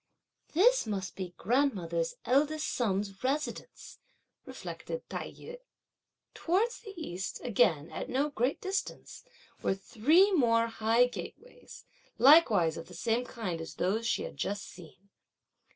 "This must be grandmother's eldest son's residence," reflected Tai yü. Towards the east, again, at no great distance, were three more high gateways, likewise of the same kind as those she had just seen.